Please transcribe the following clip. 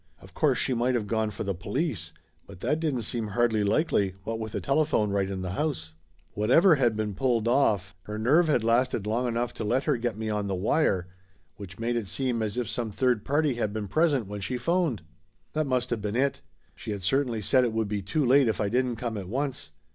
Of course she might of gone for the police, but that didn't seem hardly likely, what with a telephone right in the house. Whatever had been 302 Laughter Limited pulled off, her nerve had lasted long enough to let her get me on the wire, which made it seem as if some third party had been present when she phoned. That must of been it ! She had certainly said it would be too late if I didn't come at once.